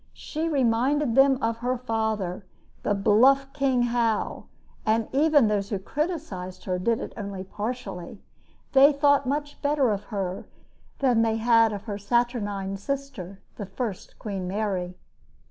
She reminded them of her father, the bluff King Hal; and even those who criticized her did so only partially. They thought much better of her than they had of her saturnine sister, the first Queen Mary.